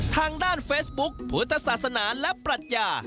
ทางด้านเฟซบุ๊คพุทธศาสนาและปรัชญา